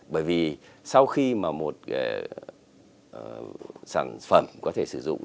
bởi vì sau khi mà một sản phẩm có thể sử dụng